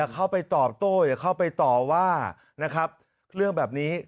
เข้าไปตอบโต้เข้าไปตอบว่าเรื่องแบบนี้